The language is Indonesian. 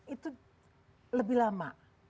itu lebih lama